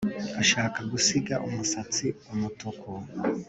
Ashaka gusiga umusatsi umutuku